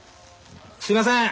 すいません！